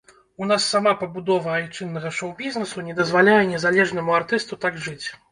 У нас сама пабудова айчыннага шоу-бізнесу не дазваляе незалежнаму артысту так жыць.